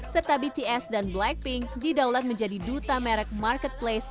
serta bts dan blackpink didaulat menjadi duta merek marketplace